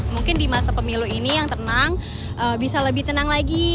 mungkin di masa pemilu ini yang tenang bisa lebih tenang lagi